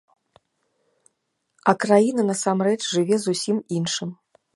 А краіна, насамрэч, жыве зусім іншым.